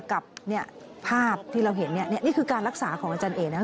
กับเนี่ยภาพที่เราเห็นเนี่ยนี่คือการรักษาของอาจารย์เอกนะครับ